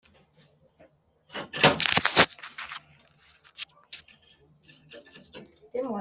Nyuma yaho gato umwarimu yahamagaye